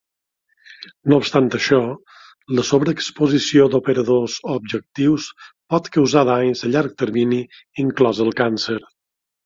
No obstant això, la sobreexposició d'operadors o objectius pot causar danys a llarg termini, inclòs el càncer.